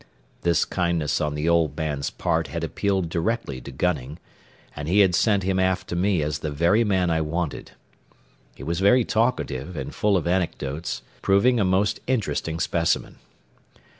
This kindness on the old man's part had appealed directly to Gunning, and he had sent him aft to me as the very man I wanted. He was very talkative and full of anecdotes, proving a most interesting specimen.